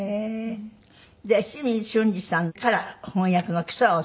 で清水俊二さんから翻訳の基礎は教わって。